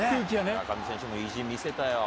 村上選手も意地見せたよ。